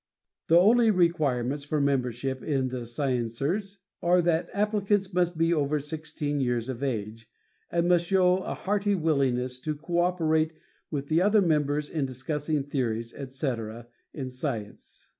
The only requirements for membership in The Scienceers are that applicants must be over sixteen years of age, and must show a hearty willingness to cooperate with the other members in discussing theories, etc., in science.